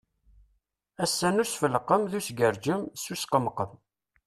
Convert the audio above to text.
Ass-a n usfelqem d usgerjem, s usqemqem.